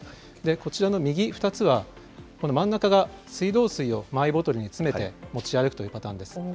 こちらの右２つは、この真ん中が水道水をマイボトルに詰めて持ち歩くというパターンです。